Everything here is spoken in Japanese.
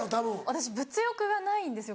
私物欲がないんですよ